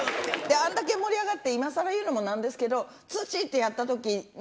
あれだけ盛り上がって今更言うのもなんですけど「土」ってやったときの。